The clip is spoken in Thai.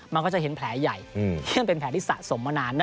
มันก็จะเห็นแผลใหญ่ซึ่งมันเป็นแผลที่สะสมมานาน